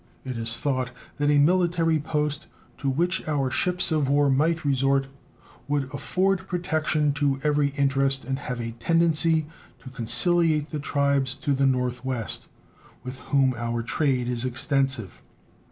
It is thought that a military post, to which our ships of war might resort, would afford protection to every interest, and have a tendency to conciliate the tribes to the North West, with whom our trade is extensive.